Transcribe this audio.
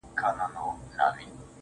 دادی بیا نمک پاسي ده، پر زخمونو د ځپلو.